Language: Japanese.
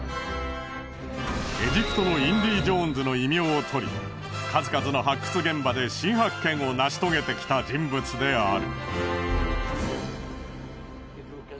エジプトのインディ・ジョーンズの異名をとり数々の発掘現場で新発見を成し遂げてきた人物である。